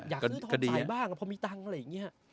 อยากซื้อทองขายบ้างพอมีตังค์อะไรอย่างนี้